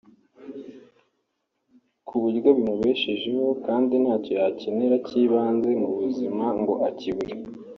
ku buryo bimubeshejeho kandi ntacyo yakenera cy’ibanze mu buzima ngo akibure